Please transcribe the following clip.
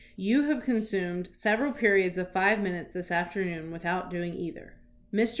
You have consumed several periods of five minutes this afternoon without doing either." Mr.